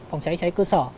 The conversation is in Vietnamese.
phòng cháy cháy cơ sở